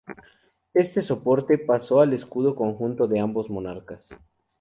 Este soporte pasó al escudo conjunto de ambos monarcas.